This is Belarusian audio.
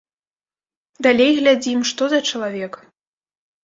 Далей глядзім, што за чалавек.